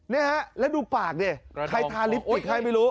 เนี่ยหะแล้วดูปากดิใครทาลิปติกใครไม่รู้